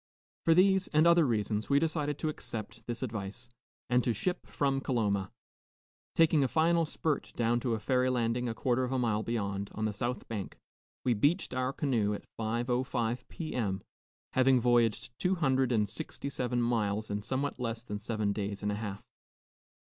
For these and other reasons, we decided to accept this advice, and to ship from Coloma. Taking a final spurt down to a ferry landing a quarter of a mile beyond, on the south bank, we beached our canoe at 5.05 P.M., having voyaged two hundred and sixty seven miles in somewhat less than seven days and a half.